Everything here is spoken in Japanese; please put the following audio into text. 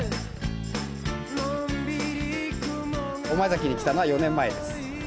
御前崎に来たのは４年前です。